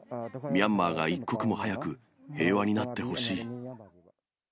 ミャンマーが一刻も早く平和になってほしい。